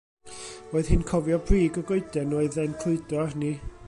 Roedd hi'n cofio brig y goeden roedd e'n clwydo arni.